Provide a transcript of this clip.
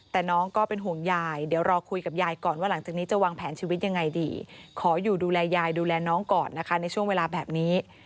แต่น้องก็เป็นห่วงยายเดี๋ยวรอคุยกับยายก่อนว่าหลังจากนี้จะวางแผนชีวิตยังไงดีขออยู่ดูแลยายดูแลน้องก่อนนะคะในช่วงเวลาแบบนี้